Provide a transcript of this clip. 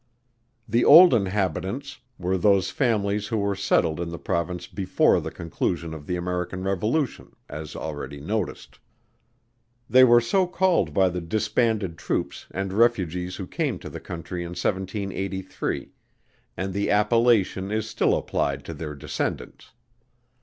The old Inhabitants, were those families who were settled in the Province before the conclusion of the American revolution, as already noticed. They were so called by the disbanded troops and refugees who came to the country in 1783, and the appellation is still applied to their descendants.